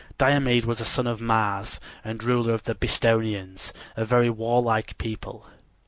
Diomede was a son of Mars and ruler of the Bistonians, a very warlike people.